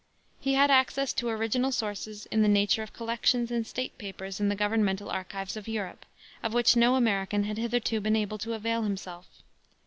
He had access to original sources, in the nature of collections and state papers in the governmental archives of Europe, of which no American had hitherto been able to avail himself.